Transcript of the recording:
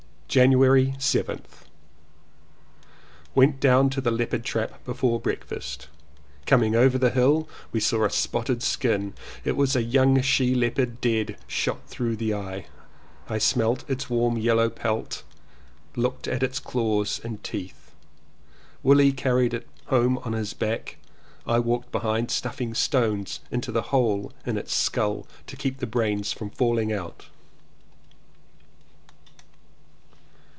January 7th. Went down to the leopard trap before breakfast. Coming over the hill we saw a spotted skin. It was a young she leopard dead, shot through the eye. I smelt its warm yellow pelt and looked at its claws and teeth. Willie carried it home on his back. I walked behind stuffing stones into the hole in its skull to keep its brain from falling out.